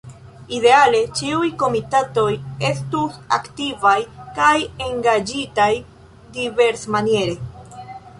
Ideale, ĉiuj komitatanoj estus aktivaj kaj engaĝitaj diversmaniere.